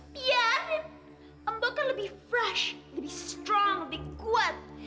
biarin mbok kan lebih fresh lebih strong lebih kuat